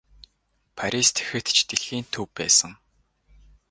Парис тэгэхэд ч дэлхийн төв байсан.